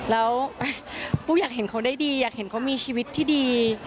แล้วปูอยากเห็นเขาได้ดีอยากเห็นเขามีชีวิตที่ดี